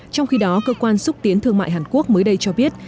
trong khi đó cơ quan xúc tiến thương mại hàn quốc mới đây cho biết